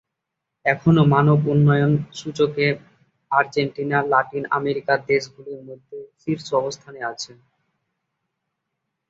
এখনও মানব উন্নয়ন সূচকে আর্জেন্টিনা লাতিন আমেরিকার দেশগুলির মধ্যে শীর্ষ অবস্থানে আছে।